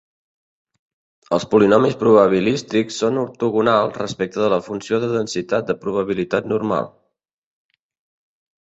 Els polinomis probabilístics són ortogonals respecte de la funció de densitat de probabilitat normal.